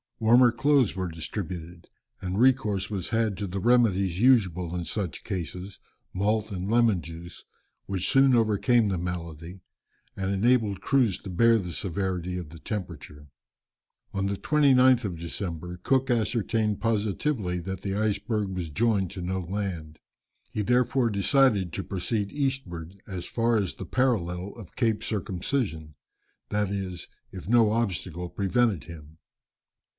Warmer clothes were distributed, and recourse was had to the remedies usual in such cases, malt and lemon juice, which soon overcame the malady, and enabled the crews to bear the severity of the temperature. On the 29th of December, Cook ascertained positively that the iceberg was joined to no land. He therefore decided to proceed eastward as far as the parallel of Cape Circumcision, that is, if no obstacle prevented him.